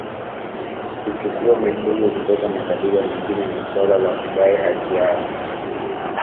Kuchukua mifugo kutoka makabila mengine ni suala la kudai haki yao